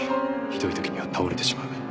ひどい時には倒れてしまう。